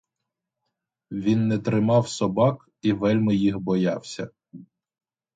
Він не тримав собак, і вельми їх боявся.